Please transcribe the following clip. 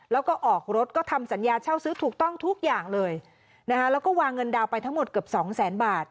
แล้วก็ออกรถก็ทำสัญญาเช่าซื้อถูกต้องทุกอย่างเลยนะคะแล้วก็วางเงินดาวน์ไปทั้งหมดเกือบสองแสนบาท